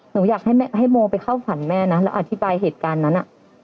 หนูอยากให้โมไปเข้าฝันแม่นะแล้วอธิบายเหตุการณ์นั้น